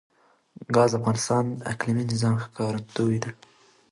ګاز د افغانستان د اقلیمي نظام ښکارندوی ده.